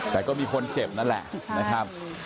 แต่ก็มีคนเจ็บนั่นแหละนะครับ